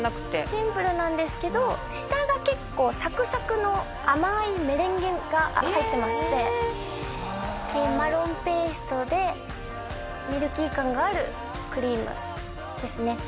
シンプルなんですけど下が結構サクサクの甘いメレンゲが入ってましてでマロンペーストでミルキー感があるクリームですね